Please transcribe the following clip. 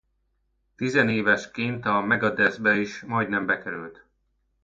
Tizenévesként a Megadethbe is majdnem bekerült.